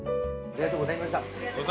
ありがとうございます。